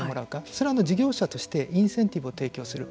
それは事業者としてインセンティブを提供する。